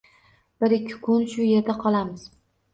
Bir ikki kun shu yerda qolamiz